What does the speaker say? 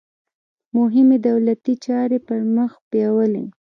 مهمې دولتي چارې پرمخ بیولې.